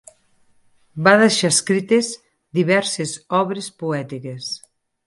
Va deixar escrites diverses obres poètiques.